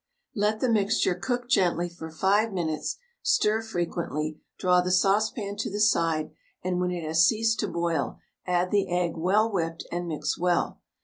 Let the mixture gook gently for 5 minutes, stir frequently, draw the saucepan to the side, and when it has ceased to boil add the egg well whipped, and mix well.